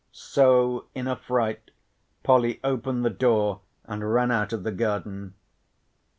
So in a fright Polly opened the door and ran out of the garden.